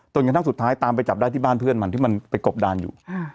จนกระทั่งสุดท้ายตามไปจับได้ที่บ้านเพื่อนมันที่มันไปกบดานอยู่